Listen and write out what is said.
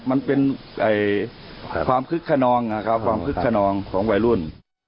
มันเป็นความคึกขนองของวัยรุ่น